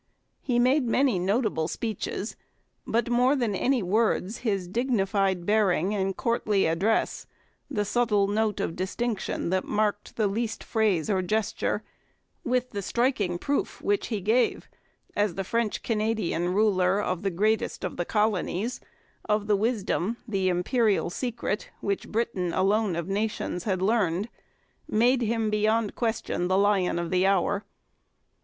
He made many notable speeches; but, more than any words, his dignified bearing and courtly address, the subtle note of distinction that marked his least phrase or gesture with the striking proof which he gave, as the French Canadian ruler of the greatest of the colonies, of the wisdom, the imperial secret, which Britain alone of nations had learned made him beyond question the lion of the hour.